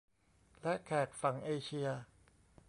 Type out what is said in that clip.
และแขกฝั่งเอเชีย